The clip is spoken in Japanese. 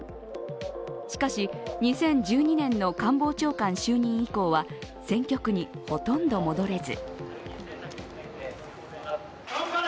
しかし２０１２年の官房長官就任以降は、選挙区にほとんど戻れず。